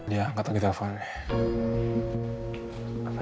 ya angkat lagi teleponnya